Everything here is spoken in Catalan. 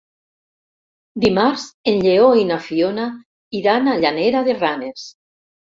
Dimarts en Lleó i na Fiona iran a Llanera de Ranes.